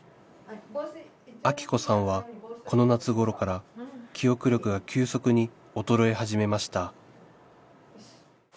アキ子さんはこの夏ごろから記憶力が急速に衰え始めました